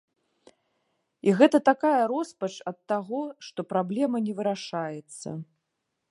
І гэта такая роспач ад таго, што праблема не вырашаецца.